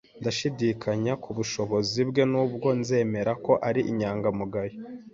Ndashidikanya kubushobozi bwe nubwo nzemera ko ari inyangamugayo.